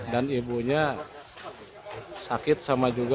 dan ibunya sakit sama juga